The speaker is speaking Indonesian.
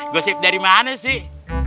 gosip dari mana sih